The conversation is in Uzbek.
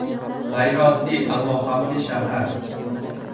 G‘ayrioddiy ammo xavfli shahar